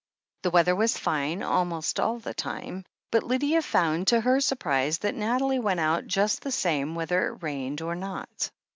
The weather was fine almost all the time, but Lydia found, to her surprise, that Nathalie went out just the same whether it rained or not.